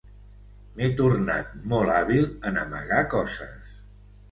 M'he tornat molt hàbil en amagar coses.